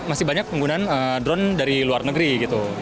karena masih banyak penggunaan drone dari luar negeri gitu